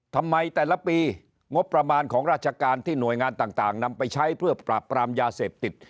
ทำไมแต่ละปีงบประมาณของราชการที่หน่วยงานต่างนำไปใช้เพื่อปราบปรามยาเสพติด